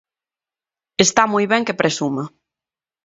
Está moi ben que presuma.